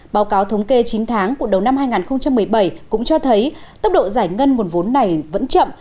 báo cáo thống kê chín tháng của đầu năm hai nghìn một mươi bảy cũng cho thấy tốc độ giải ngân nguồn vốn này vẫn chậm